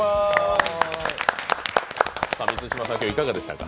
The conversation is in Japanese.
満島さん、今日いかがでしたか。